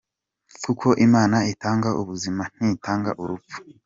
Kuko Imana itanga ubuzima ntitanga urupfu.